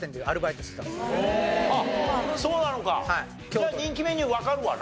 じゃあ人気メニューわかるわな。